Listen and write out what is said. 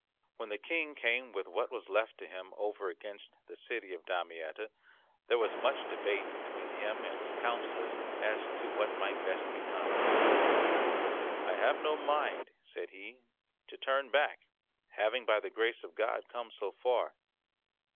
When the King came with what was left to him over against the city of Damietta there was much debate between him and his counsellors as to what might best be done. "I have no mind," said he, "to turn back, having, by the grace of God, come so far.